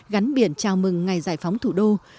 gắn biển chào mừng ngày giải phóng thủ đô